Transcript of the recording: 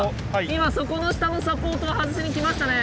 今そこの下のサポートを外しに来ましたね。